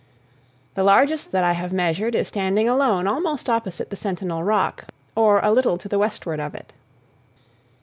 The largest that I have measured is standing alone almost opposite the Sentinel Rock, or a little to the westward of it.